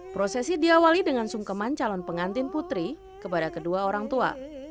prosesi diawali dengan sungkeman calon pengantin putri kepada kedua orang tua